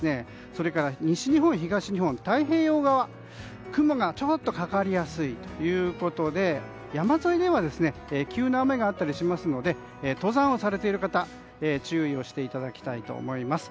それから西日本、東日本、太平洋側雲がちょっとかかりやすいということで山沿いでは急な雨があったりしますので登山をされている方、注意をしていただきたいと思います。